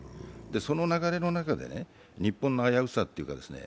その流れの中で日本の危うさというかですね。